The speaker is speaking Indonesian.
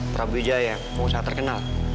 prabu wijaya kok usah terkenal